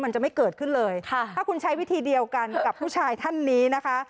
มันจะไม่เกิดขึ้นเลยค่ะถ้าคุณใช้วิธีเดียวกันกับผู้ชายท่านนี้นะคะ